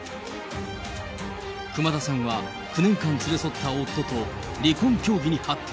熊田さんは９年間連れ添った夫と離婚協議に発展。